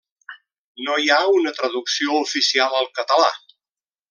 No hi ha una traducció oficial al català.